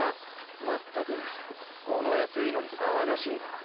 まったくこの暑いのに騒がしいな。